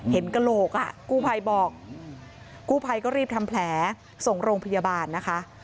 กระโหลกอ่ะกู้ภัยบอกกู้ภัยก็รีบทำแผลส่งโรงพยาบาลนะคะ